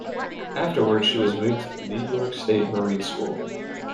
Afterwards, she was moved to the New York State Marine School.